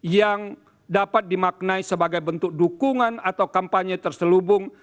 yang dapat dimaknai sebagai bentuk dukungan atau kampanye terselubung